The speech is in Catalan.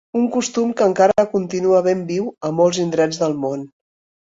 Un costum que encara continua ben viu a molts d'indrets del món.